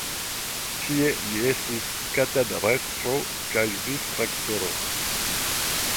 Tie li estis katedrestro kaj vicrektoro.